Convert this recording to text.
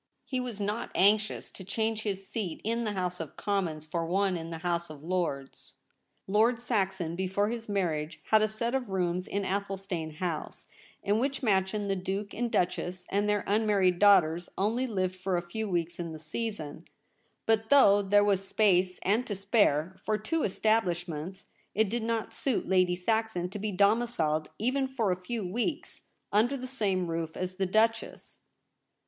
He was not anxious to change his seat in the House of Commons for one in the House of Lords. Lord Saxon before his marriage had a set of rooms in Athelstane House, in which man sion the Duke and Duchess and their un married daughters only lived for a few weeks LITER A SCRIPT A. in the season ; but though there was space and to spare for two estabHshments, it did not suit Lady Saxon to be domiciled even for a few weeks under the same roof as the Duchess.